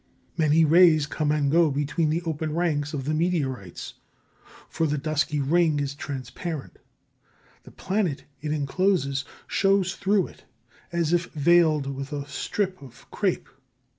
Many rays come and go between the open ranks of the meteorites. For the dusky ring is transparent. The planet it encloses shows through it, as if veiled with a strip of crape.